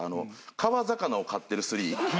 「川魚を飼ってる３」。